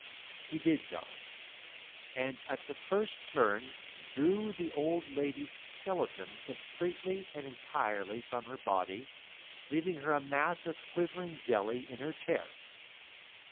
He did so, and at the first turn drew the old lady's skeleton completely and entirely from her body, leaving her a mass of quivering jelly in her chair!